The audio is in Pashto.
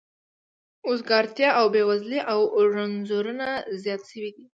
وزګارتیا او بې وزلي او رنځونه زیات شوي دي